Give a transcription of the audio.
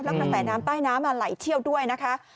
แล้วกระแสน้ำใต้น้ำไหลเชี่ยวด้วยนะคะ